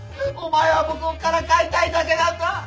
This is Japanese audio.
お前は僕をからかいたいだけなんだ！